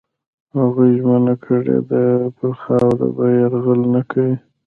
هغوی ژمنه کړې ده پر خاوره به یرغل نه کوي.